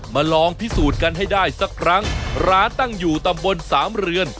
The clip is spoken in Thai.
ลองพิสูจน์กันให้ได้สักครั้งร้านตั้งอยู่ตำบลสามเรือน